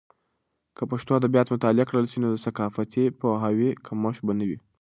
که پښتو ادبیات مطالعه کړل سي، نو د ثقافتي پوهاوي کمښت به نه وي.